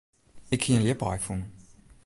Ik hie in ljipaai fûn.